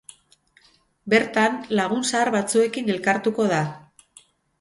Bertan, lagun zahar batzuekin elkartuko da.